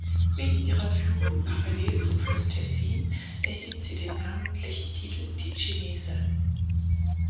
Wegen ihrer Führung parallel zum Fluss Tessin erhielt sie den namentlichen Titel "Ticinese".